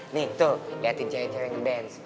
nih tuh liatin cewek cewek ngedance